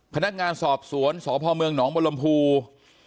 คณะงานสอบสวนสพเมืองหนองบลมภูษี